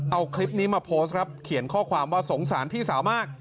เอาคลิปนี้มาโพสต์ครับเขียนข้อความว่าสงสารพี่สาวมาก